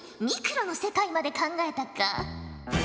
ミクロの世界まで考えたか。